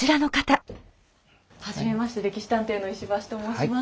はじめまして「歴史探偵」の石橋と申します。